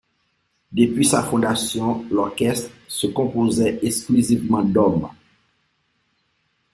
Depuis sa fondation, l'orchestre se composait exclusivement d'hommes.